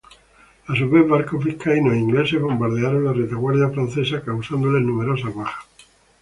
A su vez, barcos vizcaínos e ingleses bombardearon la retaguardia francesa causándole numerosas bajas.